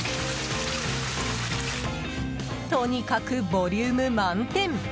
とにかくボリューム満点！